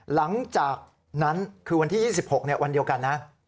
หลังจากนั้นคือวันที่๒๖วันเดียวกันนะ